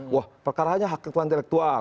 wah perkaranya hak intelektual